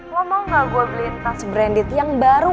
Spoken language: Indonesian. lo mau gak gue beliin tas branded yang baru